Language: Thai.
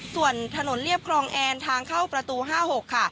ส่วนถนนเรียบครองแอนทางเข้าประตู๕๖ค่ะ